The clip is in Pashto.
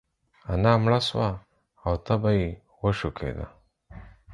انا مړه سوه او تبه يې وشکيده.